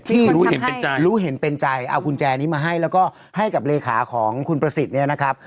รู้เห็นเป็นใจรู้เห็นเป็นใจเอากุญแจนี้มาให้แล้วก็ให้กับเลขาของคุณประสิทธิ์เนี่ยนะครับ